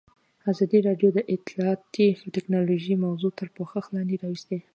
ازادي راډیو د اطلاعاتی تکنالوژي موضوع تر پوښښ لاندې راوستې.